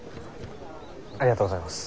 ありがとうございます。